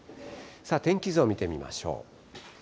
天気図を見てみましょう。